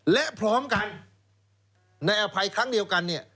และพร้อมกันในอภัยครั้งเดียวกันเนี่ย